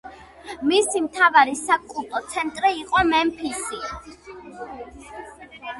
მისი მთავარი საკულტო ცენტრი იყო მემფისი.